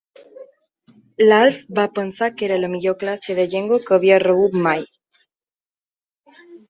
L'Alf va pensar que era la millor classe de llengua que havia rebut mai.